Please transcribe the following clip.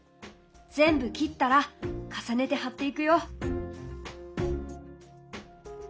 全部切ったら重ねて貼っていくよ。